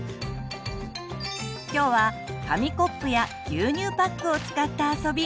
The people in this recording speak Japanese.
今日は紙コップや牛乳パックを使った遊び。